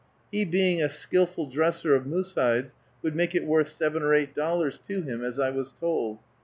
He being a skillful dresser of moose hides would make it worth seven or eight dollars to him, as I was told.